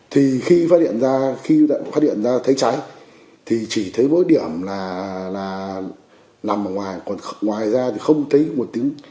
thì khi phát hiện ra khi đã phát hiện ra thấy cháy thì chỉ thấy mỗi điểm là nằm ở ngoài còn ngoài ra thì không thấy nguồn tính